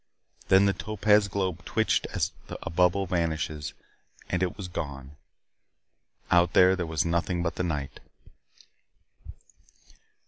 Then the topaz globe twitched as a bubble vanishes. And it was gone. Out there was nothing but the night.